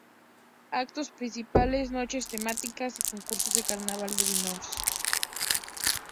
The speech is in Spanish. Actos principales, noches temáticas y concursos del Carnaval de Vinaroz.